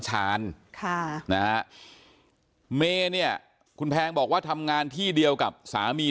ค่ะนะฮะเมย์เนี่ยคุณแพงบอกว่าทำงานที่เดียวกับสามี